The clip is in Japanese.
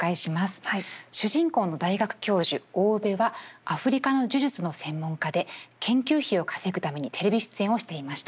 主人公の大学教授大生部はアフリカの呪術の専門家で研究費を稼ぐためにテレビ出演をしていました。